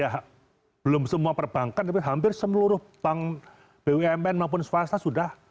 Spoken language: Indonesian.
ya belum semua perbankan tapi hampir seluruh bank bumn maupun swasta sudah